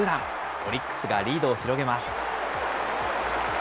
オリックスがリードを広げます。